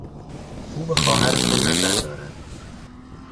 او به خواهر تو نظر دارد.